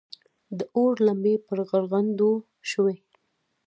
د اور لمبې پر غرغنډو شوې.